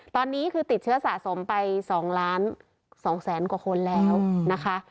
ตอนนี้คือติดเชื้อสะสมไป๒ล้าน๒แสนกว่าคนแล้วนะคะ